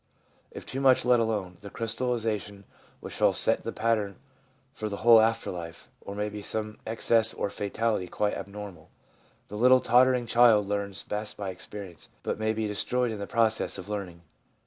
If too much let alone, the crystal lisation which shall set the pattern for the whole after life may be some excess or fatality quite abnormal. The little tottering child learns best by experience, but may be destroyed in the process of learning.